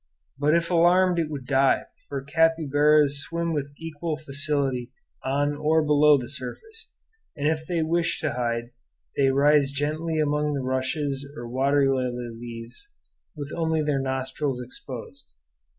But if alarmed it would dive, for capybaras swim with equal facility on or below the surface; and if they wish to hide they rise gently among the rushes or water lily leaves with only their nostrils exposed.